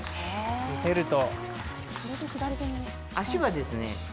打てると。